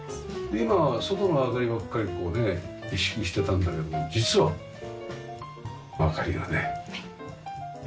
今外の明かりばっかりこうね意識してたんだけど実は明かりがねいいですねえ。